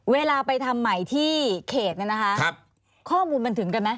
เวลาไปทำใหม่ที่เขตเนี่ยนะคะข้อมูลมันถึงกันไหม